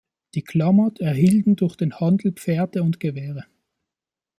Die Klamath erhielten durch den Handel Pferde und Gewehre.